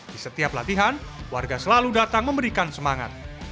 di setiap latihan warga selalu datang memberikan semangat